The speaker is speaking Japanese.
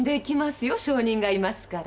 証人がいますから。